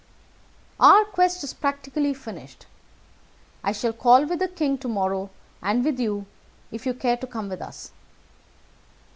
"Our quest is practically finished. I shall call with the king to morrow, and with you, if you care to come with us.